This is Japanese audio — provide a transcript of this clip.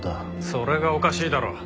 それがおかしいだろ。